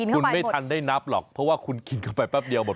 คุณไม่ทันได้นับหรอกเพราะว่าคุณกินเข้าไปแป๊บเดียวหมด